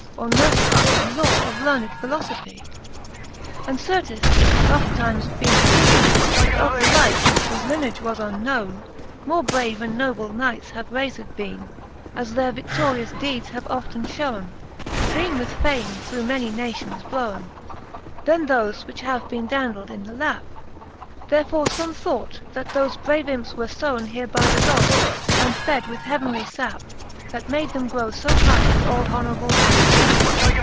Or nourfle up in lore of learned philofophy. XXXVI. And r Cant. IV. the Faerie Slueene, 269 XXXVI. And certes it hath oftentimes bene feene, That of the Hke, whofe linage was unknowne, More brave and noble knights have rayfed beene, As their vidorious deedes have often ihowen, Being with fame through many nations blowen, Then thofe, which have bene dandled in the lap. Therefore fome thought, that thofe brave imps were fowea Here by the gods, and fed with heavenly (ap, That made them grow fo high t'all honourable hap.